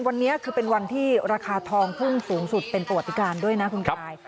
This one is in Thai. วันนี้คือเป็นวันที่ราคาทองพุ่งสูงสุดเป็นประวัติการด้วยนะคุณกาย